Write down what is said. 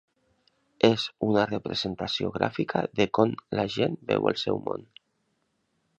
És una representació gràfica de con la gent veu el seu món.